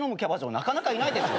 なかなかいないですよ。